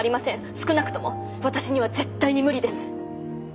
少なくとも私には絶対に無理です。